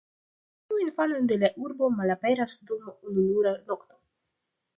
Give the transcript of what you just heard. Ĉiuj infanoj de la urbo malaperas dum ununura nokto.